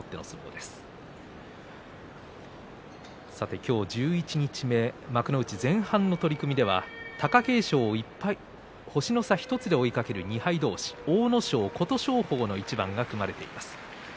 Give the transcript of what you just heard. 今日十一日目幕内前半の取組では貴景勝星の差１つで追う阿武咲、琴勝峰の対戦が組まれています。